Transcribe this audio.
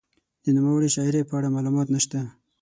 د نوموړې شاعرې په اړه معلومات نشته.